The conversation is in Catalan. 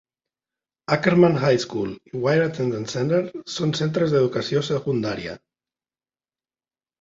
Ackerman High School i Weir Attendance Center són centres d'educació secundària.